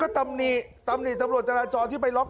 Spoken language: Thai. ก็ตำหนี่ตำหนี่ตำรวจจราจรที่ไปร็อค์ร็อของเธอ